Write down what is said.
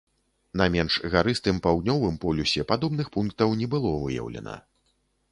На менш гарыстым паўднёвым полюсе падобных пунктаў не было выяўлена.